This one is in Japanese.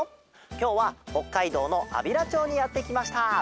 きょうはほっかいどうのあびらちょうにやってきました！